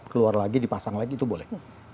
keluar lagi dipasang lagi itu boleh